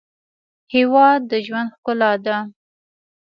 هېواد د ژوند ښکلا ده.